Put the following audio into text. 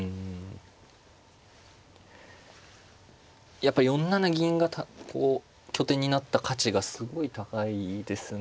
やっぱり４七銀がこう拠点になった価値がすごい高いですね。